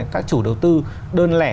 các chủ đầu tư đơn lẻ